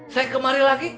saya kemarin lagi